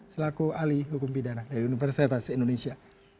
selaku ahli hukum pidana dari universitas indonesia